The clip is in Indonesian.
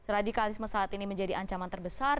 radikalisme saat ini menjadi ancaman terbesar